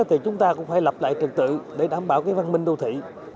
thì chúng ta cũng phải lập lại trật tự để đảm bảo cái văn minh đô thị